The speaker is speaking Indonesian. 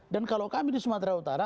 dan kalau kami di sumatera utara